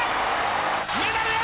メダルへ！